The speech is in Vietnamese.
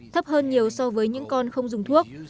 thấp hơn nhiều so với những con không dùng thuốc